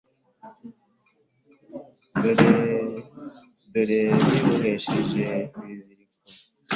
none dore bibohesheje ibiziriko